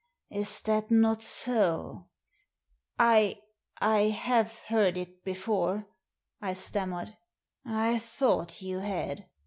Is that not so ?"" I — I have heard it before," I stammered. " I thought you had.